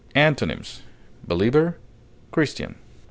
Antonyms: believer, Christian.